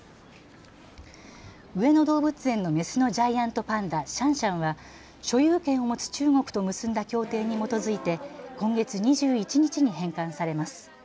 上野動物園の雌のジャイアントパンダシャンシャンは所有権を持つ中国と結んだ協定に基づいて今月２１日に返還されます。